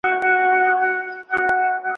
زموږ پر تندي به وي تیارې لیکلي